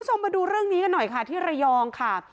มาดูเรื่องนี้กันหน่อยค่ะที่ระยองค่ะ